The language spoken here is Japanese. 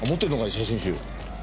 写真集。